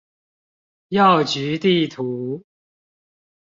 藥局地圖